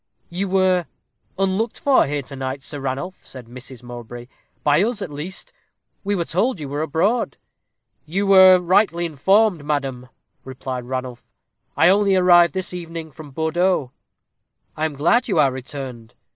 "You were unlooked for here to night, Sir Ranulph," said Mrs. Mowbray; "by us, at least: we were told you were abroad." "You were rightly informed, madam," replied Ranulph. "I only arrived this evening from Bordeaux." "I am glad you are returned.